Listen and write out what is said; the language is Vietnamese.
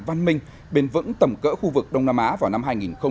văn minh bền vững tầm cỡ khu vực đông nam á vào năm hai nghìn ba mươi